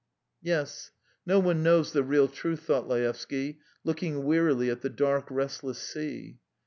"Yes, no one knows the real truth ..." thought Laevsky, looking wearily at the dark, restless sea.